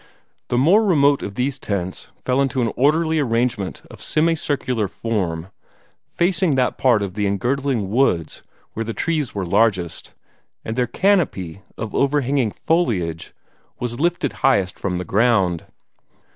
The more remote of these tents fell into an orderly arrangement of semi circular form, facing that part of the engirdling woods where the trees were largest, and their canopy of overhanging foliage was lifted highest from the ground.